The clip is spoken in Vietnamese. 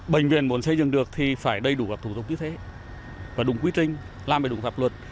bệnh viện muốn xây dựng được thì phải đầy đủ hợp thủ tục cứ thế và đúng quy trình làm đúng pháp luật